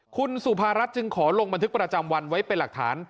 คุณสุภารัฐจึงขอลงบันทึกประจำวันไว้เป็นหลักฐาน